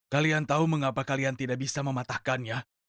kalian tahu mengapa kalian tidak bisa mematahkannya